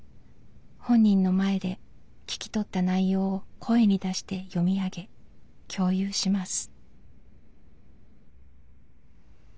本人の前で聞き取った内容を声に出して読み上げ共有します。